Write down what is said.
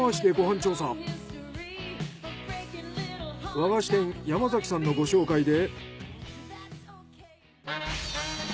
和菓子店山崎さんのご紹介で。